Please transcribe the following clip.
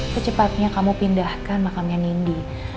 secepatnya kamu pindahkan makamnya nindi